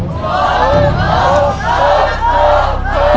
ลุกลุกลุก